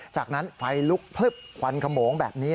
จากนั้นไฟลุกพลึบควันขโมงแบบนี้